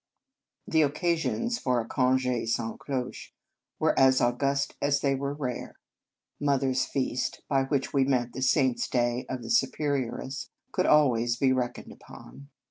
The occasions for a conge sans cloche were as august as they were rare. " Mother s Feast," by which we meant the saint s day of the Superior ess, could always be reckoned upon.